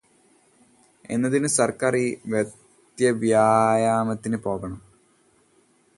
എന്തിന് സർക്കാർ ഈ വൃഥാവ്യായാമത്തിനു പോകണം?